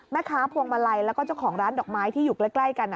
พวงมาลัยแล้วก็เจ้าของร้านดอกไม้ที่อยู่ใกล้กัน